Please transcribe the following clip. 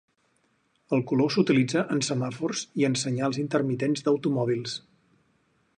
El color s'utilitza en semàfors i en senyals intermitents d'automòbils.